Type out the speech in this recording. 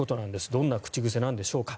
どんな口癖なんでしょうか。